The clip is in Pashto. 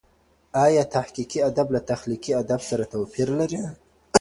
آیا تحقیقي ادب له تخلیقي ادب سره توپیر لري؟